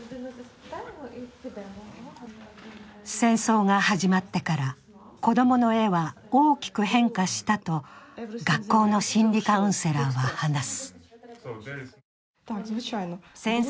戦争が始まってから子供の絵は大きく変化したと学校の心理カウンセラーは話す。